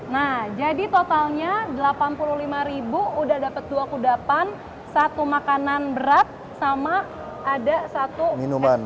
nah jadi totalnya delapan puluh lima ribu udah dapet dua kuda pan satu makanan berat sama ada satu es coklat gitu ya